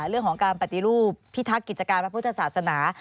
เรื่องของการปฏิรูปพิทักษ์กิจการพระพุทธศาสนา